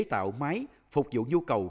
chế tạo máy phục vụ nhu cầu